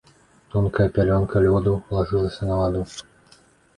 Тонкая пялёнка лёду лажылася на ваду.